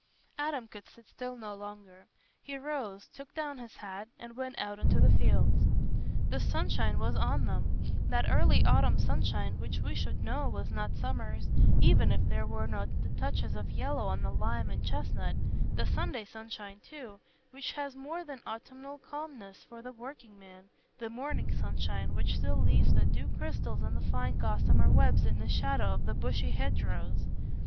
Adam could sit still no longer. He rose, took down his hat, and went out into the fields. The sunshine was on them: that early autumn sunshine which we should know was not summer's, even if there were not the touches of yellow on the lime and chestnut; the Sunday sunshine too, which has more than autumnal calmness for the working man; the morning sunshine, which still leaves the dew crystals on the fine gossamer webs in the shadow of the bushy hedgerows.